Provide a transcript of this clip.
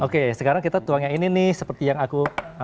oke sekarang kita tuang yang ini nih seperti yang aku